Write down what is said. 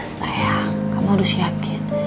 sayang kamu harus yakin